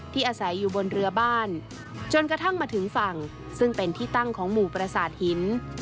อาศัยอยู่บนเรือบ้านจนกระทั่งมาถึงฝั่งซึ่งเป็นที่ตั้งของหมู่ประสาทหิน